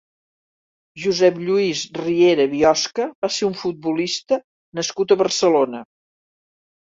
Josep Lluís Riera Biosca va ser un futbolista nascut a Barcelona.